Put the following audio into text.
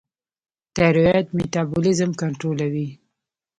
تایرویډ میټابولیزم کنټرولوي.